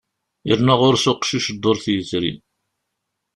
Yerna ɣur-s uqcic ddurt yezrin.